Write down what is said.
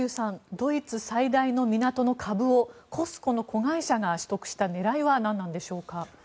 ドイツ最大の港の株をＣＯＳＣＯの子会社が取得した狙いはなんなのでしょうか？